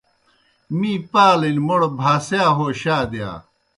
می پالِن موْڑ بھاسِیا ہو شا دِیا۔